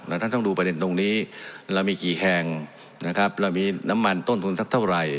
ท่านต้องดูประเด็นตรงนี้เรามีกี่แห่งนะครับเรามีน้ำมันต้นทุนสักเท่าไหร่